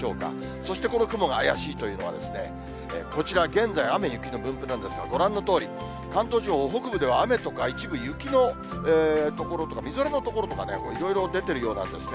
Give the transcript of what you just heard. そしてこの雲が怪しいというのはですね、こちら、現在、雨、雪の分布なんですが、ご覧のとおり、関東地方、北部では雨とか、一部雪の所とか、みぞれの所とかね、いろいろ出ているようなんですね。